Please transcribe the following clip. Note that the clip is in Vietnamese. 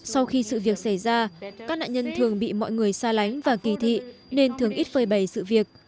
sau khi sự việc xảy ra các nạn nhân thường bị mọi người xa lánh và kỳ thị nên thường ít phơi bầy sự việc